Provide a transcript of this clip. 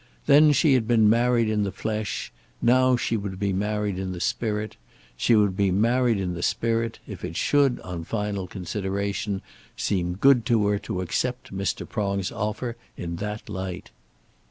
Then she had been married in the flesh; now she would be married in the spirit; she would be married in the spirit, if it should, on final consideration, seem good to her to accept Mr. Prong's offer in that light.